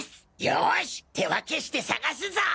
よし手分けして探すぞ！